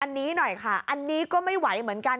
อันนี้หน่อยค่ะอันนี้ก็ไม่ไหวเหมือนกัน